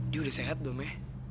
dia udah sehat belum ya